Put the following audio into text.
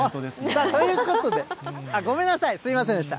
さあ、ということで、ごめんなさい、すみませんでした。